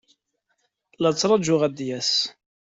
La t-ttṛajuɣ ad d-yas.